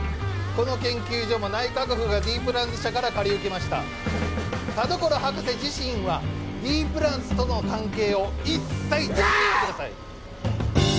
この研究所も内閣府がＤプランズ社から借り受けました田所博士自身はＤプランズとの関係を一切断ち切ってうるさい！